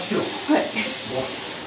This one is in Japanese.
はい。